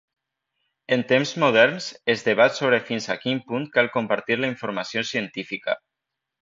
En temps moderns, es debat sobre fins a quin punt cal compartir la informació científica.